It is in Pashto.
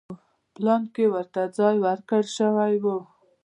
پلان کې ورته ځای ورکړل شوی و.